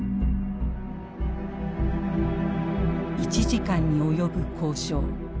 １時間に及ぶ交渉。